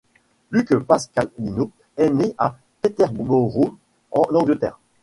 Luke Pasqualino est né à Peterborough en Angleterre.